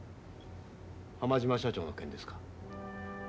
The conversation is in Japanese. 浜島社長の件ですか。